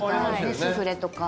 スフレとか。